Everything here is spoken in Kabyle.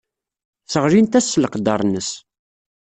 Sseɣlint-as s leqder-nnes.